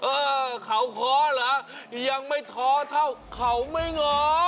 เออเขาท้อเหรอยังไม่ท้อเท่าเขาไม่ง้อ